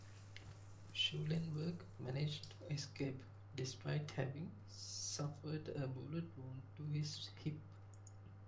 Schulenburg managed to escape, despite having suffered a bullet wound to his hip.